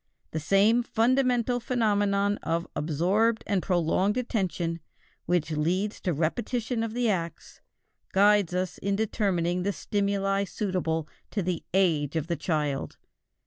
The same fundamental phenomenon of absorbed and prolonged attention which leads to repetition of the acts, guides us in determining the stimuli suitable to the age of the child.